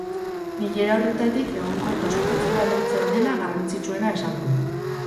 Bilera horretatik egonkortasun mezua lortzea dela garrantzitsuena esan du.